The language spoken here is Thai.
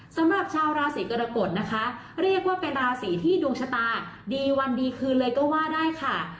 สำหรับชาวราศีกรกฎนะคะเรียกว่าเป็นราศีที่ดวงชะตาดีวันดีคืนเลยก็ว่าได้ค่ะ